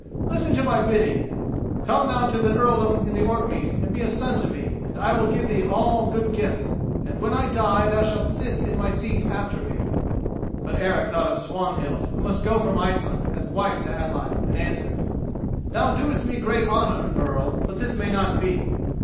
Listen to my bidding: come thou to the earldom in Orkneys and be a son to me, and I will give thee all good gifts, and, when I die, thou shalt sit in my seat after me." But Eric thought of Swanhild, who must go from Iceland as wife to Atli, and answered: "Thou doest me great honour, Earl, but this may not be.